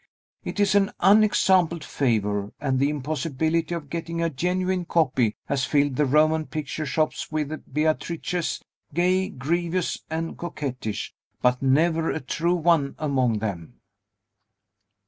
It is an unexampled favor; and the impossibility of getting a genuine copy has filled the Roman picture shops with Beatrices, gay, grievous, or coquettish, but never a true one among them."